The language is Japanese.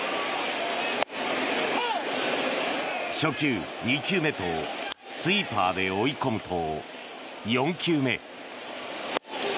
初球、２球目とスイーパーで追い込むと４球目。